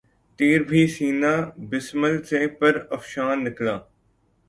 تیر بھی سینہٴ بسمل سے پر افشاں نکلا